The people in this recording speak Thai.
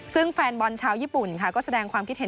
ซึ่งแฟนบอลชาวญี่ปุ่นค่ะก็แสดงความคิดเห็น